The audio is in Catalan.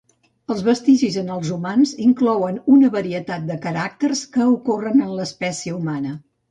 Els vestigis en els humans inclouen una varietat de caràcters que ocorren en l'espècie humana.